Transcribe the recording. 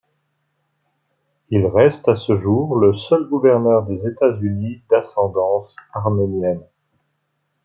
Il reste à ce jour le seul gouverneur des États-Unis d'ascendance arménienne.